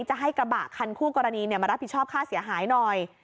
จะให้กระบะคันคู่กรณีมารับผิดชอบค่าเสียหายหน่อย